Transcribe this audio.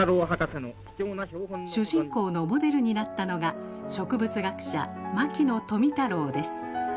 主人公のモデルになったのが植物学者牧野富太郎です。